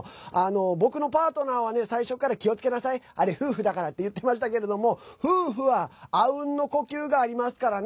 僕のパートナーは最初から気をつけなさいあれ夫婦だからって言ってましたけれども夫婦はあうんの呼吸がありますからね。